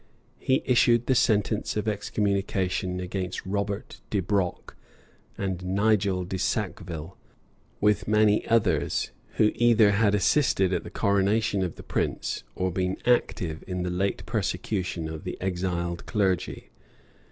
He issued the sentence of excommunication against Robert de Broc and Nigel de Sackville, with many others, who either had assisted at the coronation of the prince, or been active in the late persecution of the exiled clergy.